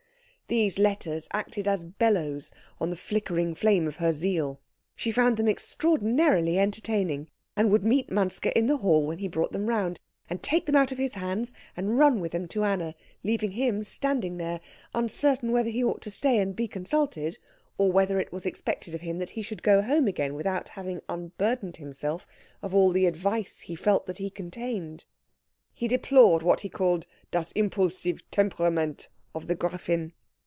These letters acted as bellows on the flickering flame of her zeal. She found them extraordinarily entertaining, and would meet Manske in the hall when he brought them round, and take them out of his hands, and run with them to Anna, leaving him standing there uncertain whether he ought to stay and be consulted, or whether it was expected of him that he should go home again without having unburdened himself of all the advice he felt that he contained. He deplored what he called das impulsive Temperament of the Gräfin.